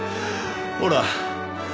ほら。